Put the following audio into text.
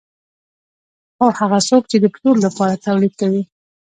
خو هغه څوک چې د پلور لپاره تولید کوي